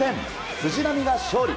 藤波が勝利！